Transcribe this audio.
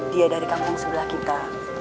dia dari kampung sebelah kita